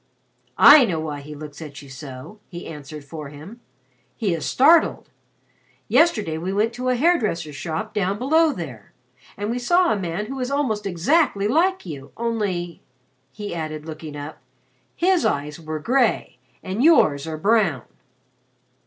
"I know why he looks at you so," he answered for him. "He is startled. Yesterday we went to a hair dresser's shop down below there, and we saw a man who was almost exactly like you only " he added, looking up, "his eyes were gray and yours are brown."